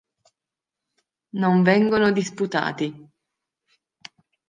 Non vengono disputati.